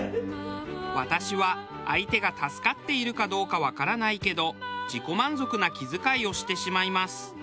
私は相手が助かっているかどうかわからないけど自己満足な気遣いをしてしまいます。